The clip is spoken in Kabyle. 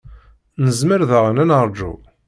Nezmer daɣen ad neṛju.